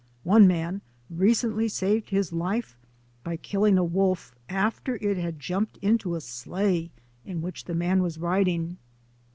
One man recently saved his life by killing a wolf after it had jumped into a sleigh in which the man was riding."